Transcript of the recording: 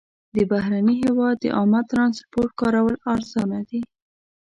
د بهرني هېواد د عامه ترانسپورټ کارول ارزانه دي.